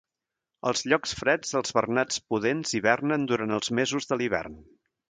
Als llocs freds, els bernats pudents hibernen durant els mesos de l'hivern.